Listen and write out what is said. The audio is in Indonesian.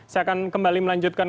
saya akan kembali melanjutkan